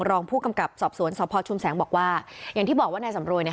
รองผู้กำกับสอบสวนสพชุมแสงบอกว่าอย่างที่บอกว่านายสำรวยเนี่ย